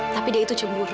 tapi dia itu cinta sama kamu